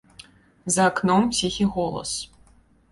За акном ціхі голас.